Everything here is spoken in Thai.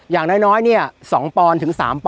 อย่างน้อย๒๓ปอนดิ์